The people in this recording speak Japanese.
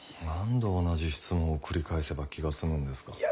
何度同じ質問を繰り返せば気が済むんですか？